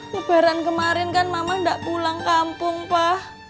lebaran kemarin kan mama gak pulang kampung pa